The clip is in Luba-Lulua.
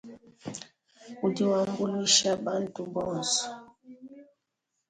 Udi wambuluisha bantu bonso.